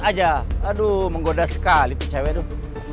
aduh menggoda sekali tuh cewek tuh